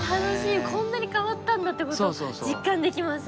こんなに変わったんだってこと実感できます。